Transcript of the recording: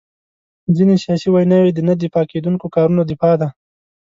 ځینې سیاسي ویناوي د نه دفاع کېدونکو کارونو دفاع ده.